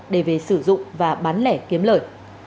để về sử dụng và bán lẻ kiếm lợi